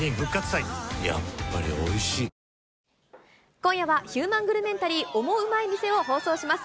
今夜は、ヒューマングルメンタリーオモウマい店を放送します。